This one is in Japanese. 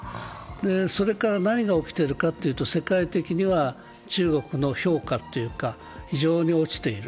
それから何が起きてるかというと、世界的には中国の評価というか非常に落ちている。